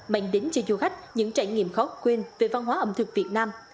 mang đến cho du khách những trải nghiệm khó quên về văn hóa ẩm thực việt nam